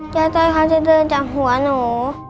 ต้อยเขาจะเดินจากหัวหนู